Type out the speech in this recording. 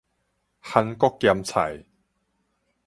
韓國鹹菜